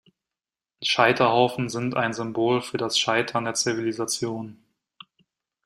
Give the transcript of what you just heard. Scheiterhaufen sind ein Symbol für das Scheitern der Zivilisation.